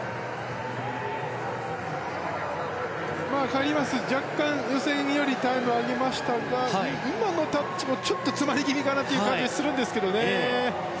カイリー・マス若干予選よりもタイムを上げましたが今のタッチもちょっと詰まり気味かなという感じがするんですよね。